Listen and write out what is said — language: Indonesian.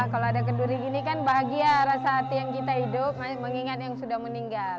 kalau ada kenduri gini kan bahagia rasa hati yang kita hidup mengingat yang sudah meninggal